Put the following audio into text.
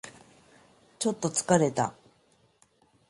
ちょっと疲れた